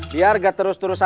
biar gak terus terus